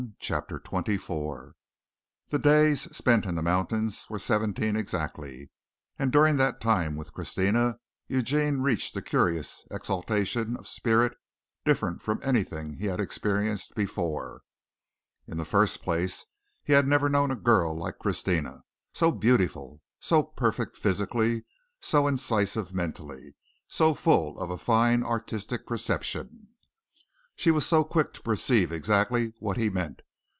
CHAPTER XXIV The days spent in the mountains were seventeen exactly, and during that time with Christina, Eugene reached a curious exaltation of spirit different from anything he had experienced before. In the first place he had never known a girl like Christina, so beautiful, so perfect physically, so incisive mentally, so full of a fine artistic perception. She was so quick to perceive exactly what he meant.